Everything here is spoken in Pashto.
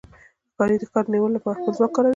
ښکاري د ښکار د نیولو لپاره خپل ځواک کاروي.